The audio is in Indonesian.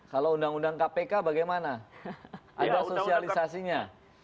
kalau undang undang kpk bagaimana ada sosialisasinya